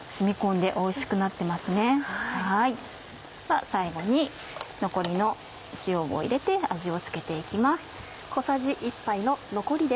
では最後に残りの塩を入れて味をつけて行きます。